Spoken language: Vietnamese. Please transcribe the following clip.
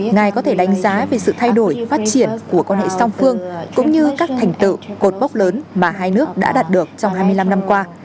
ngài có thể đánh giá về sự thay đổi phát triển của quan hệ song phương cũng như các thành tựu cột mốc lớn mà hai nước đã đạt được trong hai mươi năm năm qua